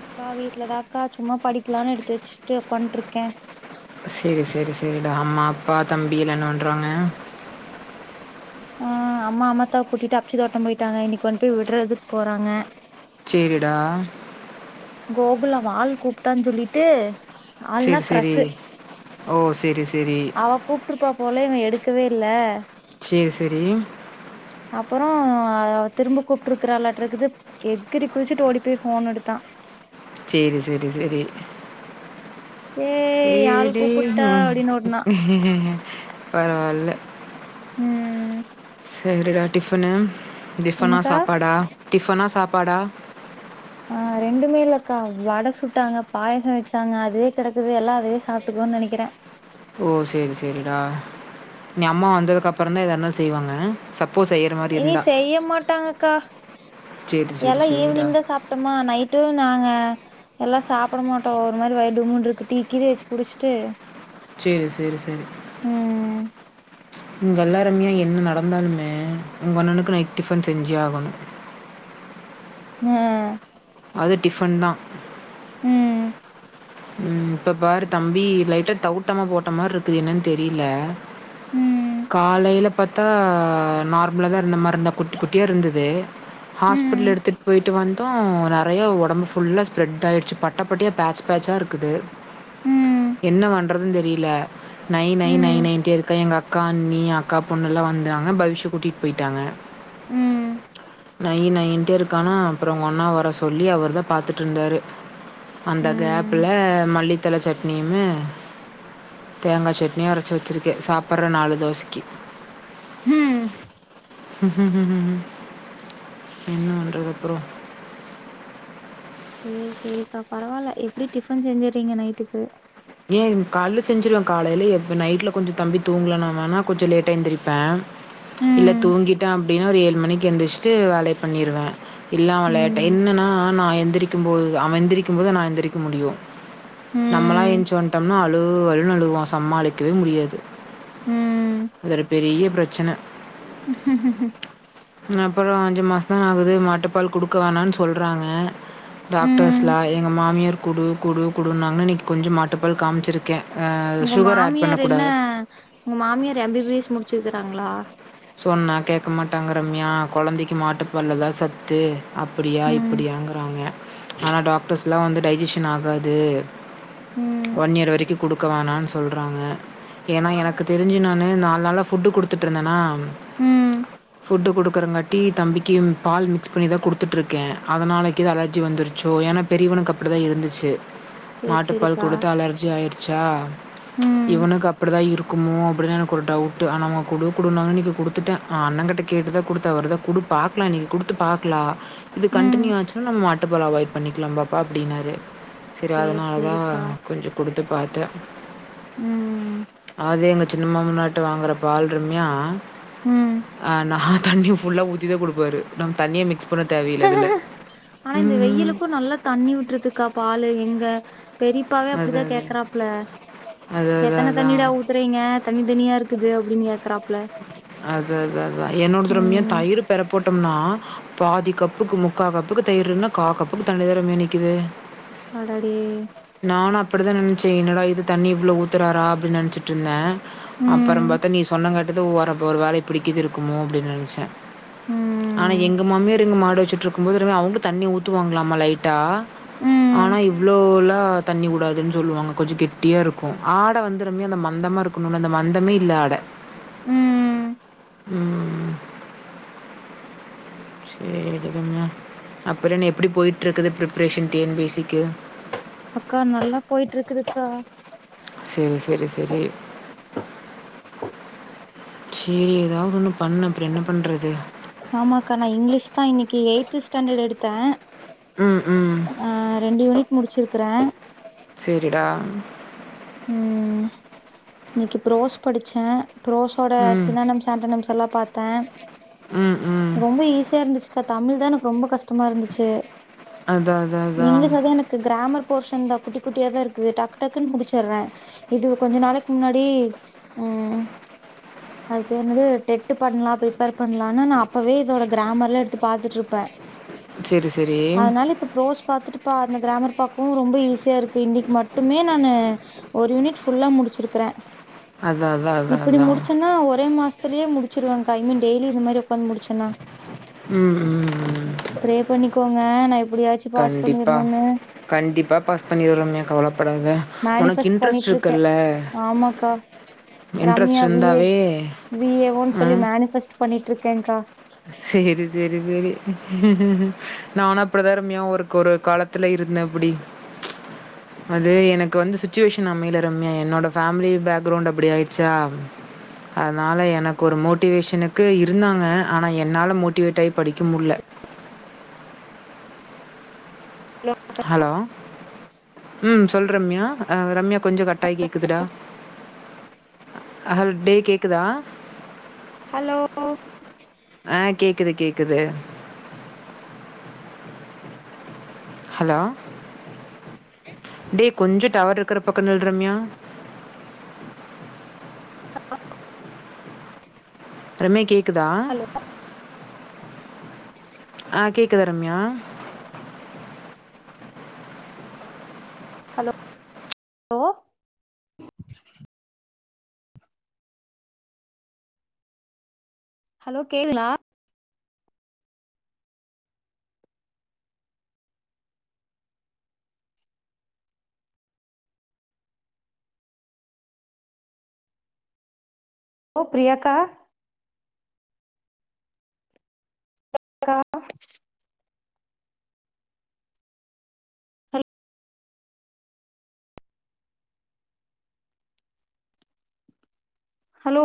அக்கா வீட்லதா அக்கா சும்மா படிக்கலான்னு எடுத்து வச்சுட்டு ஒக்காண்ட்ருக்கே சேரி சேரி சேரிடா அம்மா அப்பா தம்பி எல்லா என்ன பண்றாங்க ஆ அம்மா அம்மத்தா கூட்டிட்டு அக்ஷிதாட்டோ போயிட்டாங்க இன்னைக்கு வன்ட்டு கொண்டு போய் விட்றதுக் போறாங்க சேரிடா கோகுல் அவ ஆள் கூப்ட்டான்னு சொல்லிட்டு ஆள்னா சரி, சரி. கிரஷு ஓ! சரி, சரி. அவ கூப் கூட்டுருப்பா போல இவ எடுக்கவே இல்ல சேரி சேரி அப்றோ திரும்ப கூப்ட்டு இருக்றலாட்ருக்குது எகிறி குதிச்சிட்டு ஓடி போய் ஃபோன் எடுத்தா சேரி சேரி சேரி ஏய் ஆள் கூப்புட்டா அப்டின்னு ஓடுனா பரவால்ல ம் சேரிடா டிஃபனு டிஃபனா என்னக்கா சாப்பாடா டிஃபனா சாப்பாடா ஆ ரெண்டுமே இல்லக்கா வட சுட்டாங்க பாயசோ வச்சாங்க அதுவே கெடக்குது எல்லா அதுவே சாப்ட்டுக்குவோ நெனக்கிற ஓ சேரி சேரிடா இனி அம்மா வந்ததுக்கு அப்றோ தா எதா இருந்தாலு செய்வாங்க சப் போ செய்றவ இனி செய்ய மாட்டாங்கக்கா சரி, சரி, எல்லா சரிடா. ஈவினிங் தா சாப் ட்டோமா நைட்டு நாங்க எல்லா சாப்ட மாட்டோ ஒரு மாறி வயிறு டும்முனு இருக்கு டீ கீதே வச்சு குடிச்ட்டு சேரி சேரி சேரி ம் இங்க எல்லாருமே என்ன நடந்தாலுமே உங்க அண்ணணுக்கு நைட் டிஃபன் செஞ்சே ஆகணு ம் அது டிஃபன் தா ம் ம் இப்ப பார் தம்பி லைட்டா தவுட்டாம போட்ட மாறி இருக்குது என்ன்னு தெரில ம் காலைல பாத்தா நார்மலா தா இருந்த மாறி தா குட்டி குட்டியா இருந்தது ம் ஹாஸ்பிடல் எடுத்துட்டு போயிட்டு வந் தோ நெறயா ஒடம்பு ஃபுல்லா ஸ்ப்ரெட் ஆயிடுச்சு பட்டப்பட்டயா பேட்ச் பேட்சா இருக்குது ம் என்ன பண்றதுன் தெரில நை நை நை ம் நைன்ட்டே இருக்கா எங்க அக்கா அண் ண்ணி அக்கா பொண்ணு எல்லா வந்துாங்க பவிஷ கூட்டிட்டு போயிட்டாங்க ம் நை நைன்ட்டே இருக்கானா அப்றோ ஒங்க அண்ணா வர சொல்லி அவர் தா பாத்துட்டுருந்தார் அந்த கேப் ம் ல மல்லித்தழ சட்னியுமே தேங்காய் சட்னியு அரச்சு வச்சிருக்க சாப்ற நாலு தோசைக்கு ம் ம் என்ன பண்றது அப்பற சேரி சேரிக்கா பரவாயில்ல எப்டி டிஃபன் செஞ்சறீங்க நைட்டுக்கு ஏய கால்ல செஞ்சுருவ காலையிலப் நைட்ல கொஞ்ச தம்பி தூங்கலனா வேணா கொஞ்ச லேட்டா எந்திருப்ப இல்ல ம் தூங்கிட்ட அப்டின்னா ஒரு ஏழு மணிக்கு எழுந்திரிச்சிட்டு வேலய பண்ணிருவ இல்லா அவ லேட்டா ம் என்னன்னா நா எந்திரிக் கும் போது அவ எந்திரிக்கும் போது நா எந்திரிக்க முடியு நம்மலா ம் ஏன்ச் சொண்டம்னா அழு அழுன்னு அழுவா சமாளிக்கவே முடியாது ம் அது ஒரு பெரிய்ய பிரச்சன அப்பர அஞ்சு மாசதான்ன ஆகுது மாட்டுப்பால் குடுக்க வேணான்னு சொல்றாங்க ம் டாக்டர்ஸ்லா எங்க மாமியார் குடு குடு குடுனாங்கன்னு இன்னைக்கு கொஞ்ச மாட்டுப்பால் காமிச்சிருக்க ஆ உங்க சுகர் ஆட் மாமியார் என்ன பண்ணக்கூடாது உங்க மாமியார் எம்பிபிஎஸ் முடிச்சிருக்காங்களா சொன்னா கேட்க மாட்டாங்க ரம்யா குழந்தைக்கு மாட்டுப்பால்லதா சத்து அப்டியா ம் இப்டியாங்கிறாங்க ஆனா டாக்டர்ஸ்லா வந்து டைஜஷன் ஆகாது ம் ஒன்யியர் வரைக்கு கொடுக்க வோனான்னு சொல்றாங்க ஏன்னா எனக்கு தெரிஞ்சு நா நால்நாளா ஃபுட் கொடுத்துட்டு இருந்தனா ம் ஃபுட்டு கொடுக்குறங்காட்டி தம்பிக்கு பால் மிக்ஸ் பண்ணி தா கொடுத்துட்ருக்க அதனாலக்கி அலர்ஜி வந்துருச்சோ ஏன்னா பெரியவனுக்கு அப்டிதா இருந்துச்சு சேரி மாட்டுப்பால் சேரிக்கா கொடுத்து அலர்ஜி ஆயிருச்சா ம் இவனுக்கு அப்டிதா இருக் குமோ அப்டின்னு எனக்கு ஒரு டவுட்டு ஆனா அவங் கொடு கொடுன்னாங்க இன்னிக் கொடுத்துட்ட உ அண்ணங்கிட்ட கேட்டுதா கொடுத்த அவர்தா குடு பாக்கலா இன்னைக்கு கொடுத்து பாக்கலா இது ம். கண்ட்டினியூ ஆச்சுன்னா நம்ம மாட்டுப்பால அவாய்ட் பண்ணிக்கலா பாப்பா அப்டின்னாரு சரி சேரி அதனாலதா சேரிக்கா. கொஞ்ச கொடுத்து பாத்த ம் அதே மாரி சின்னம்மாமன்னார்ட வாங்குற பால் ரம்யா ம் ஆனா தண்ணி ஃபுல்ல ஊத்திதா கொடுப்பாரு நம்ம தண்ணியே க்ஸ் பண்ண தேவையில்ல அதுல ஆனா உ இந்த வெயிலுக்கு நல்லா தண்ணி உட்ருதுக்கா பாலு எங்க பெரிப் இப்பாவே அப்டிதா அதான், அதான். கேக்கறாப்ல அதான், எத்தன அதான், அதான். தண்ணிடா ஊத் த்றீங்க தண்ணி தண்ணியா இருக்குது அப்டின் ஏக்றாப் அது அது அதா என்னோடது ரம்யாத் ம் தயிருப் பெற போட்டோம்னா பாதி கப்புக்கு முக்கா கப்புக்கு தயிருன்னா கா கப்புக்கு தண்ணிதா ரம்யா நிக்கிது அடடே நானு அப்டிதா நென்ச்சே என்னடா இது தண்ணி இவ்ளோ ஊத்துறாரா அப்டின் நெனச்சிட்ருந்தே அப்பறம் ம் பாத்தா நீ சொன்னங்காட்டுதா ஒரப் ஒருவேள இப்டிக்கீது இருக்குமோ அப்டி நென்ச்சே ஆனா ம் எங்க மாமியார் எங்க மாடு வெச்சிட்ருக்கும் போது ஒருவே அவுங்ளுத் தண்ணி ஊத்துவாங்லாமா லைட்டா ம் ஆனா இவ்ளோலா ஆ தண்ணி உடாதுன் சொல்லுவாங்க கொஞ்சோ கெட்டியா இருக்கு ஆட வந்துருமே அந்த மந்தமா இருக்குணுல அந்த மந்தமே இல்ல ஆட ம். ம் சேரிங்கங்க அப்பறோ இன்னோ எப்டி போய்ட்ருக்குது ப்ரிப்பரேஷன் டி என் பி சிக்கு அக்கா நல்லா போயிட்ருக்குதுக்கா சேரி சேரி செரி சேரி எதாவது ஒன்னு பண்ணு அப்றோ என்ன பண்றது ஆமாக்கா நா இங்கிலீஷ்தா இன்னைக்கி எயி்த்து ஸ்டாண்டர்டு எடுத்தே ம் ம் அ ரெண்டு யூனிட் முடிச்சிருக்கறே சேரிடா ம் இன்னைக்கு ப்ரோஸ் படிச்சே ப்ரோஸோட ம். சினேனம்ஸ் ஆண்டினம்ஸ் எல்லாப் பாத்தே ம் ம் ரொம்ப ஈஸியா இருந்துச்சுக்கா தமிழ்தா எனக்கு ரொம்ப கஷ்டமா இருந்துச்சு அதான் அதான் அதான். இங்கிலீஷ்லதா எனக்கு கிராமர் போர்ஷன்தா குட்டி குட்டியாதா இருக்குது டக் டக்குன் முடிச் ச்சர்றே இது கொஞ்ச நாளைக் முன்னாடி ம் அது பேர் என்னது டெட்டு பண்லா ப்ரிப்பேர் பண்லானு நா அப்பவே இதோட கிராமர்லா எடுத்து பாத்துட்ருப்பே சரி, சரி. அதனால இப்ப ப்ரோஜ் பாத்துட்டுப்பா அந்த கிராமர் பாக்கவு ரொம்ப ஈஸியா இருக்கு இன்னிக் மட்டுமே நானு ஒரு யூனிட் ஃபுல்லா முடிச்சிருக்கறே அதான் அதான் அதான் இப்டி அதான். முடிச்சன்னா ஒரே மாச் த்துலியே முடிச்சிருவங்க்கா இன்மே டெய்லியு இந்த மாரி உக்காந் முடிச்சன்னா ம் ம் ம் ப்ரே பண்ணிக்கோங்க நா எப்டியாச்சு கண்டிப்பா கண்டிப்பா பாஸ் பண்ணிருவ ரம்யா கவலப்படாத உனக்கு மேனிஃபர்ஸ்ட் இன்ட்ரெஸ்ட் பண்ணிட்ருக்கே இருக்குல்ல? ஆமாக்கா இன்ட்ரெஸ்ட் ரம்யா வி ஏ இருந்தாவே வி ஏ ஓன் சொல்லி மேனிஃபர்ஸ்ட்டு பண்ணிட்ருக்கேங்கா சேரி சேரி சேரி நானு அப்டிதா ரம்யா ஒருக்கொரு காலத் துல இருந்தே அப்டி அது எனக்கு வந்து சுச்சுவேஷன் அமைல ரம்யா என்னோட ஃபேமிலி பேக்ரவுண்ட் அப்டி ஆயிட்ச்சா அதனால எனக்கு ஒரு மோட்டிவேஷனுக்கு இருந்தாங்க ஆனா என்னால மோட்டிவேட் ஆயி படிக்க முல்ல ஹலோ ம் சொல் ரம்யா அ ரம்யாப் கொஞ்சோ கட்டாயி கேக்குதுடா அகல் டே கேக்குதா ஹலோ ஆ கேக்குது கேக்குது ஹலோ டே கொஞ்சோ டவர் இருக்குற பக்க நில் ரம்யா ரம்யா கேக்குதா ஹலோ அ கேக்குதா ரம்யா ஹலோ லோ ஹலோ கேங்ளா ஹலோ பிரியாக்கா க்கா ஹல் ஹலோ